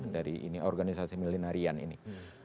dari ini organisasi milinarian ini